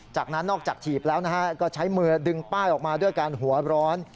จากนั้นนอกจากถีบแล้วก็ใช้มือดึงป้ายออกมาด้วยการหัวร้อน